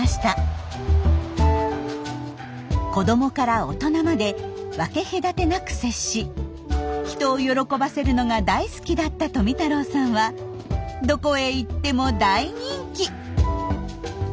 子どもから大人まで分け隔てなく接し人を喜ばせるのが大好きだった富太郎さんはどこへ行っても大人気！